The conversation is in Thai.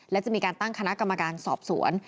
และจะมีการตั้งคณะกรรมการสอบสวน